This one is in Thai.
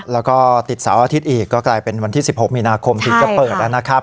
แล้วก็ติดเสาร์อาทิตย์อีกก็กลายเป็นวันที่๑๖มีนาคมถึงจะเปิดแล้วนะครับ